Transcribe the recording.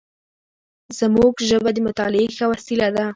زموږ ژبه د مطالعې ښه وسیله ده.